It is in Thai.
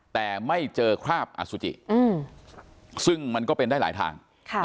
แต่ไม่เจอคราบอสุจิซึ่งมันก็เป็นได้หลายทาง